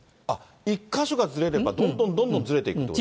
１か所がずれればどんどんどんどんずれていくってこと。